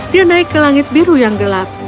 dia naik ke langit biru yang gelap